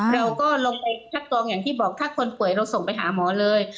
เราก็ลงไปคัดกรองอย่างที่บอกถ้าคนป่วยเราส่งไปหาหมอเลย